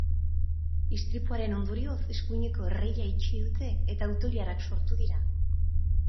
Istripuaren ondorioz, eskuineko erreia itxi dute eta auto-ilarak sortu dira.